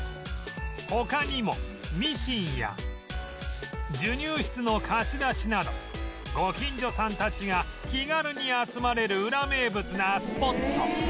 他にもミシンや授乳室の貸し出しなどご近所さんたちが気軽に集まれるウラ名物なスポット